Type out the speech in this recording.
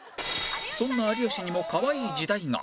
そんな有吉にもかわいい時代が